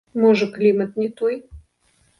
Можа, клімат не той?